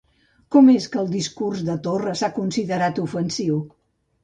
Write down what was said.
Com és que el discurs de Torra s'ha considerat ofensiu?